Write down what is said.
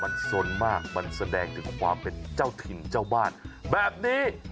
มันสนมากมันแสดงถึงความเป็นเจ้าถิ่นเจ้าบ้านแบบนี้